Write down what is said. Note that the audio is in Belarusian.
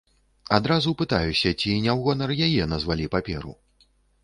Адразу пытаюся, ці не ў гонар яе назвалі паперу.